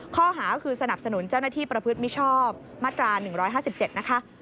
ข้อหาก็คือสนับสนุนเจ้าหน้าที่ประพฤติมิชอบมาตรา๑๕๗นะคะ